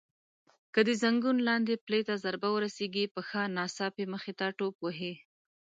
که د زنګون لاندې پلې ته ضربه ورسېږي پښه ناڅاپي مخې ته ټوپ وهي.